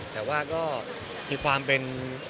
แต่ว่าก็มีความเป็น